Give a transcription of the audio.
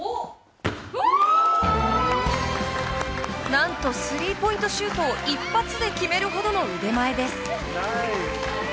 何と、スリーポイントシュートを一発で決めるほどの腕前です。